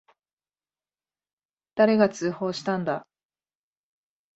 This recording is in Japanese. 誰が通報したんだ。